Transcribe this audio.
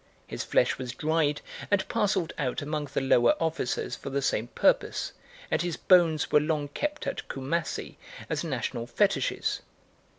His flesh was dried and parcelled out among the lower officers for the same purpose, and his bones were long kept at Coomassie as national fetishes.